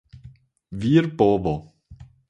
virbovo